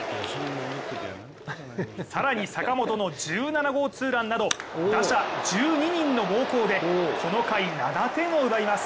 更に坂本の１７号ツーランなど打者１２人の猛攻で、この回７点を奪います。